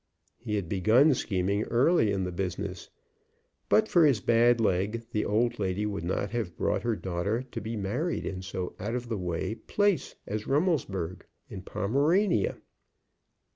He had begun scheming early in the business. But for his bad leg the old lady would not have brought her daughter to be married at so out of the way a place as Rummelsburg, in Pomerania.